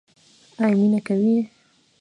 ایا مینه کوئ؟